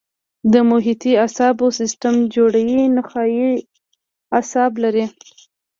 د محیطي اعصابو سیستم جوړې نخاعي اعصاب لري.